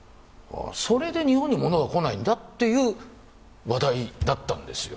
それで日本に物が来ないんだという話題だったんですよ。